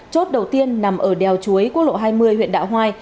chốt đầu tiên nằm ở đèo chuối quốc lộ hai mươi huyện đạo hoài